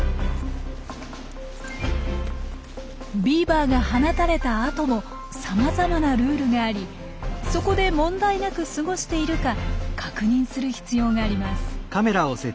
ビーバーが放たれた後もさまざまなルールがありそこで問題なく過ごしているか確認する必要があります。